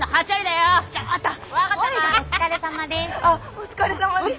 お疲れさまです。